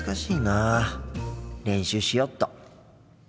練習しよっと。